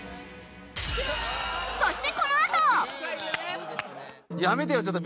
そしてこのあと！